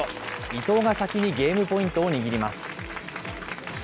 伊藤が先にゲームポイントを握ります。